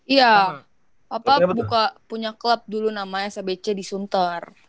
iya papa punya club dulu namanya sabc di sunter